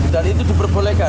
dan itu diperbolehkan